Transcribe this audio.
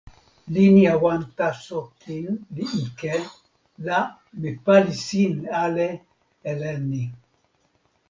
linja wan taso kin li ike la mi pali sin ale e len ni.